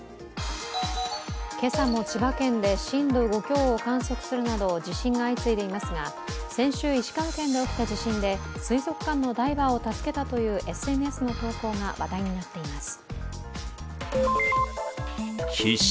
今朝も千葉県で震度５強を観測するなど地震が相次いでいますが先週、石川県で起きた地震で水族館のダイバーを助けたというＳＮＳの投稿が話題になっています。